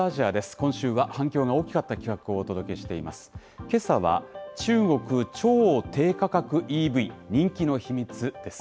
今週は反響が大きかった企画をお届けしています。